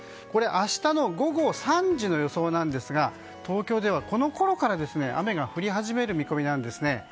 明日の午後３時の予想なんですが東京ではこのころから雨が降り始める見込みなんですね。